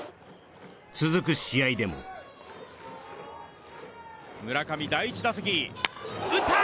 続く試合でも村上第１打席打った！